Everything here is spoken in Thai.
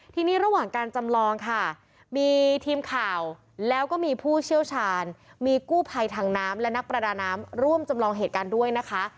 ทีนี้ระหว่างการจำลองค่ะมีทีมข่าวแล้วก็มีผู้เชี่ยวชาญมีกู้ภัยทางน้ำและนักประดาน้ำร่วมจำลองเหตุการณ์ด้วยนะคะ